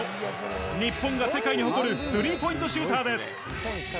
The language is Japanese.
日本が世界に誇るスリーポイントシューターです。